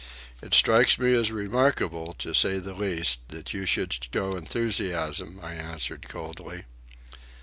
"It strikes me as remarkable, to say the least, that you should show enthusiasm," I answered coldly.